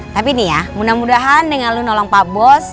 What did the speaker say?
tapi ini ya mudah mudahan dengan lo nolong pak bos